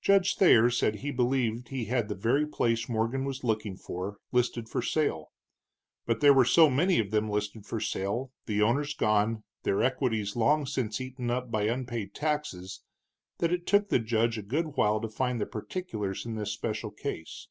Judge Thayer said he believed he had the very place Morgan was looking for, listed for sale. But there were so many of them listed for sale, the owners gone, their equities long since eaten up by unpaid taxes, that it took the judge a good while to find the particulars in this special case.